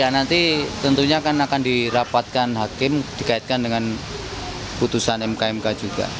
ya nanti tentunya akan dirapatkan hakim dikaitkan dengan putusan mk mk juga